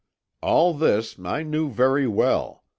"All this I knew very well.